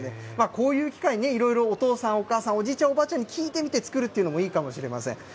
こういう機会ね、いろいろお父さん、お母さん、おじいちゃん、おばあちゃんに聞いてみて作るっていうのもいいかもしれません。